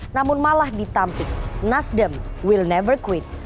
namun malah ditampik nasdem will never quit